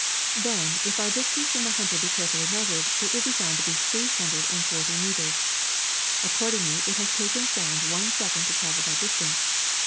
Then, if our distance from the hunter be carefully meas ured, it will be found to be three hundred and forty meters. Accordingly, it has taken sound one second to travel that distance.